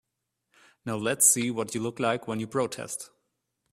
Now let's see what you look like when you protest.